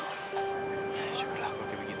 ya syukurlah kalau kayak begitu